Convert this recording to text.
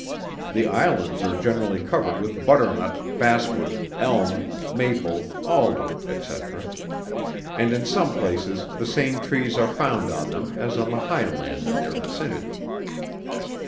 The islands are generally covered with butternut, basswood, elm, maple, alder, &c. and in some places the same trees are found on them, as on the high land in their vicinity.